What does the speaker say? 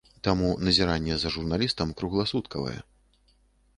Таму назіранне за журналістам кругласуткавае.